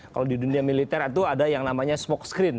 kalau di dunia militer itu ada yang namanya smoke screen